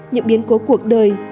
những biến cố cuộc đời